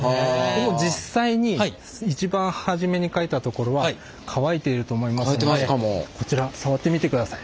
実際に一番初めにかいた所は乾いてると思いますのでこちら触ってみてください。